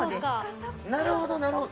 なるほど、なるほど。